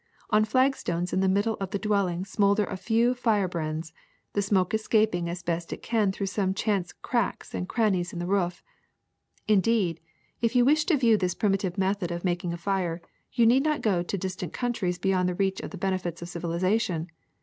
On flagstones in the middle of the dwelling smolder a few firebrands, the smoke escaping as best it can through some chance cracks and crannies in the roof. Indeed, if you wish to view this primitive method of making a fire, you need not go to distant countries beyond the reach of the benefits of civilization.